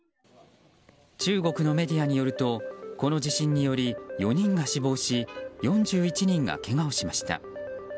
中国のメディアによるとこの地震により４人が死亡し４１人がけがをしました。